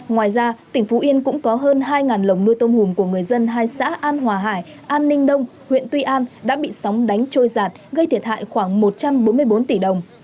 ngoài ra tỉnh phú yên cũng có hơn hai lồng nuôi tôm hùm của người dân hai xã an hòa hải an ninh đông huyện tuy an đã bị sóng đánh trôi giạt gây thiệt hại khoảng một trăm bốn mươi bốn tỷ đồng